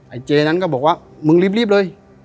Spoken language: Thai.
เจนั้นก็บอกว่ามึงรีบเลย